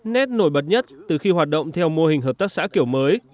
nét nổi bật nhất từ khi hoạt động theo mô hình hợp tác xã kiểu mới